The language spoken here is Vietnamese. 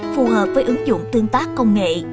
phù hợp với ứng dụng tương tác công nghệ